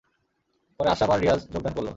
পরে আশরাফ আর রিয়াজ যোগদান করলো।